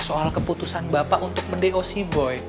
soal keputusan bapak untuk mendeo si boy